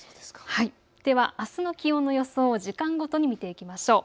ではあすの気温の予想を時間ごとに見ていきましょう。